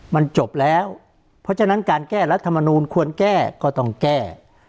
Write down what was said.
มันจบแล้วเพราะฉะนั้นการแก้รัฐมนูลควรแก้ก็ต้องแก้